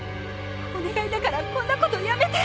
お願いだからこんなことやめて。